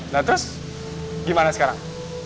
nah terus gimana sekarang